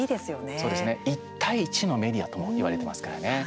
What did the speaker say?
そうですね、１対１のメディアともいわれてますからね。